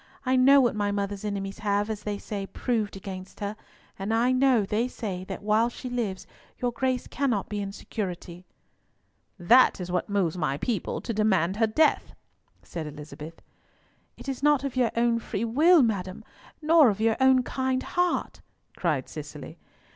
I know what my mother's enemies have, as they say, proved against her, and I know they say that while she lives your Grace cannot be in security." "That is what moves my people to demand her death," said Elizabeth. "It is not of your own free will, madam, nor of your own kind heart," cried Cicely.